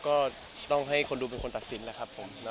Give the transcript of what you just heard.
ก็ต้องให้คนดูเป็นคนตัดสินแล้วครับผม